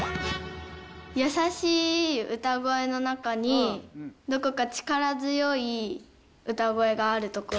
優しい歌声の中に、どこか力強い歌声があるところ。